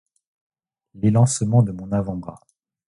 L’élancement de mon avant-bras.